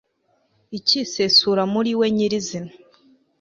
ikisesura muri we nyirizina